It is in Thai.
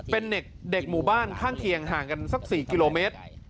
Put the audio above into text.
เป็นเด็กหมู่บ้านข้างเคียงห่างกันสัก๔กิโลเมตร